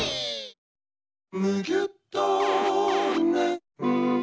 「むぎゅっとねんど」